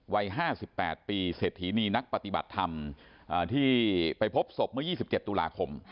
วัยห้าสิบแปดปีเศรษฐีนีนักปฏิบัติธรรมอ่าที่ไปพบศพเมื่อยี่สิบเจ็บตุลาคม